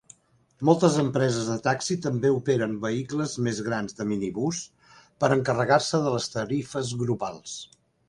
Moltes empreses de taxi també operen vehicles més grans de minibús per encarregar-se de les tarifes grupals.